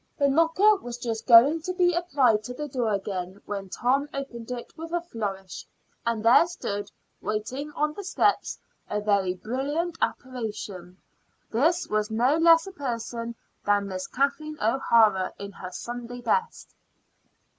The knocker was just going to be applied to the door again, when Tom opened it with a flourish, and there stood, waiting on the steps, a very brilliant apparition. This was no less a person than Miss Kathleen O'Hara, in her Sunday best.